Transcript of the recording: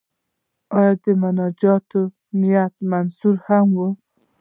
آیا مناجات او نعت منثور هم وي.